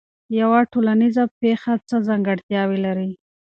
یوه ټولنیزه پېښه څه ځانګړتیاوې لري؟